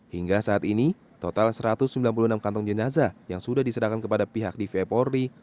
hingga saat ini total satu ratus sembilan puluh enam kantong jenazah yang sudah diserahkan kepada pihak dv polri